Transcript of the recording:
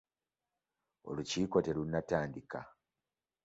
Olukiiko terunnatandika.